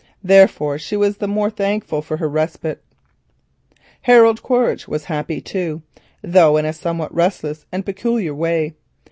Therefore she was the more thankful for her respite. Harold Quaritch was happy too, though in a somewhat restless and peculiar way.